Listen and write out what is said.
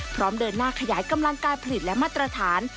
พร้อมเดินหน้าขยายกำลังการผลิตและมาตรฐาน